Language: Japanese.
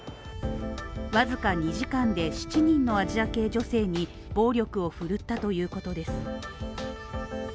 僅か２時間で７人のアジア系女性に暴力を振るったということです。